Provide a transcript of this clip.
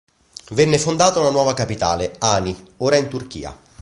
Venne fondata una nuova capitale, Ani ora in Turchia.